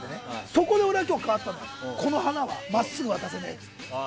そこで俺は今日変わったのこの花は真っすぐ渡せないって。